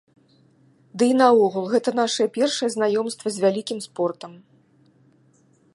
Ды і наогул, гэта наша першае знаёмства з вялікім спортам.